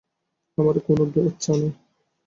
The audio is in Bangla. আমার কোনো বাচ্চা নেই।